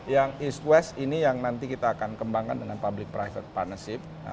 yang east west ini yang nanti kita akan kembangkan dengan public private partnership